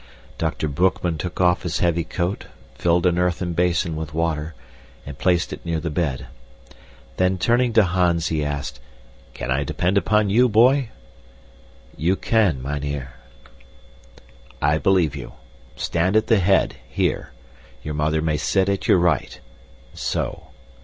Dr. Boekman took off his heavy coat, filled an earthen basin with water, and placed it near the bed. Then turning to Hans he asked, "Can I depend upon you, boy?" "You can, mynheer." "I believe you. Stand at the head, here your mother may sit at your right so."